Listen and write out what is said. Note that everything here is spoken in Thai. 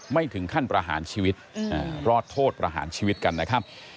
ไม่ถึงขั้นประหารชีวิตรอดโทษประหารชีวิตกันนะครับ